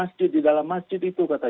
nah itu apa partisi itu untuk apa